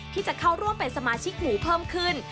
ที่จะเข้าร่วมเป็นสมาชิกหมูเพิ่มขึ้น